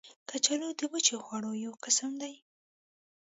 کچالو د وچې خواړو یو قسم دی